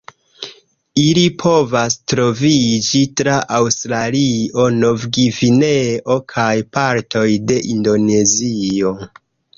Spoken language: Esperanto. Ili povas troviĝi tra Aŭstralio, Novgvineo, kaj partoj de Indonezio.